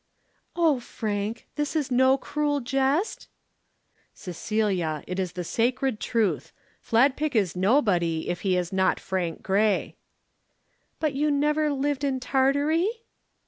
"Oh, Frank, this is no cruel jest?" "Cecilia, it is the sacred truth. Fladpick is nobody, if he is not Frank Grey." "But you never lived in Tartary?"